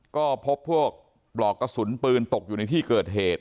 ก็พบพวกปลอกกระสุนปืนตกอยู่ในที่เกิดเหตุ